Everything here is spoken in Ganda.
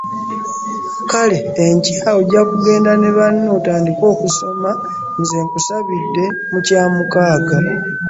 Kale enkya ojja kugenda ne banno otandike okusoma nze nkusabidde mu kya mukaaga